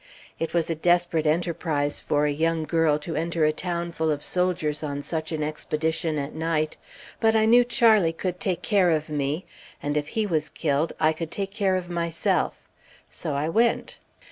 It was a desperate enterprise for a young girl, to enter a town full of soldiers on such an expedition at night; but I knew Charlie could take care of me, and if he was killed I could take care of myself; so I went.